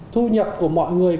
thu nhập của mọi người